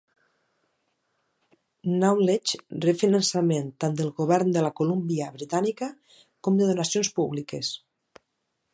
Knowledge rep finançament tant del govern de la Colúmbia Britànica com de donacions públiques.